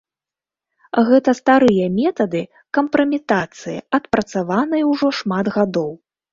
Гэта старыя метады кампраметацыі, адпрацаваныя ўжо шмат гадоў.